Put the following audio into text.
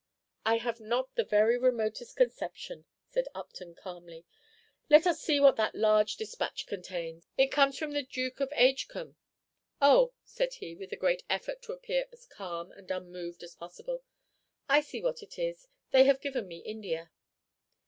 "I have not the very remotest conception," said Upton, calmly. "Let us see what that large despatch contains; it comes from the Duke of Agecombe. Oh," said he, with a great effort to appear as calm and unmoved as possible, "I see what it is, they have given me India!"